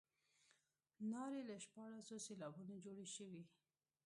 نارې له شپاړسو سېلابونو جوړې شوې.